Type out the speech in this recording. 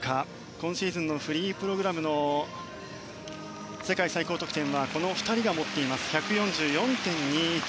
今シーズンのフリープログラムの世界最高得点はこの２人が持っています。１４４．２１。